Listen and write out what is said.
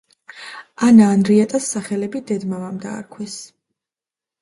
ანა ანრიეტას სახელები დედ-მამამ დაარქვეს.